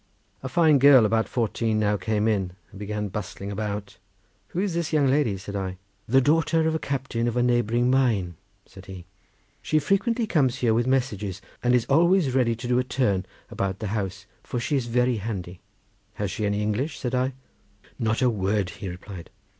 A fine girl about fourteen now came in, and began bustling about. "Who is this young lady?" said I. "The daughter of a captain of a neighbouring mine," said he; "she frequently comes here with messages, and is always ready to do a turn about the house, for she is very handy." "Has she any English?" said I. "Not a word," he replied.